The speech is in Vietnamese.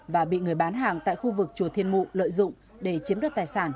và bị người bán hàng tại khu vực chùa thiên mụ lợi dụng để chiếm đoạt tài sản